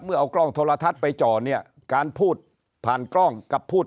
เอากล้องโทรทัศน์ไปจ่อเนี่ยการพูดผ่านกล้องกับพูด